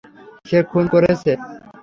সে খুন করেছে।